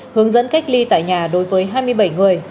hướng dẫn cách ly tại nhà đối với hai mươi bảy người